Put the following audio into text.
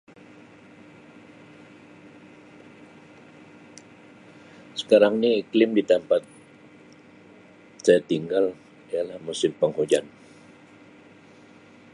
Sekarang ni iklim di tampat saya tinggal ialah musim penghujan.